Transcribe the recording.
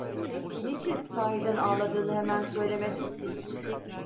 Niçin sahiden ağladığını hemen söylemedin?